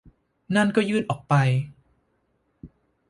นั่นก็ยืดออกไป